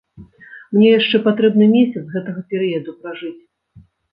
Мне яшчэ патрэбны месяц гэтага перыяду пражыць.